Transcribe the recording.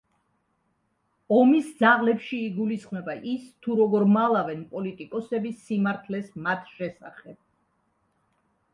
ომის ძაღლებში იგულისხმება ის, თუ როგორ მალავენ პოლიტიკოსები სიმართლეს მათ შესახებ.